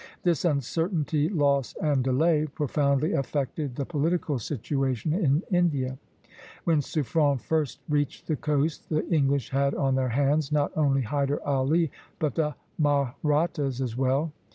This uncertainty, loss, and delay profoundly affected the political situation in India. When Suffren first reached the coast, the English had on their hands not only Hyder Ali, but the Mahrattas as well.